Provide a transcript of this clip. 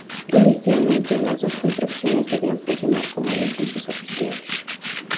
Inicialmente, las dos construcciones debían funcionar como edificios oficiales.